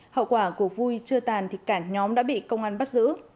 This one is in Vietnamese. hậu quả của vui chưa tàn thì cả nhóm đã bị công an bắt giữ